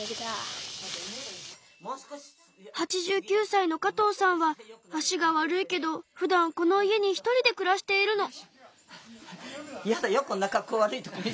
８９歳の加藤さんは足が悪いけどふだんこの家にひとりでくらしているの。